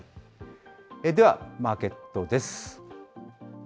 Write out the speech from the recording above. ではマーケットです。